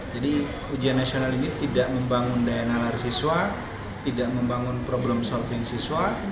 jadi ujian nasional ini tidak membangun daya nalar siswa tidak membangun problem solving siswa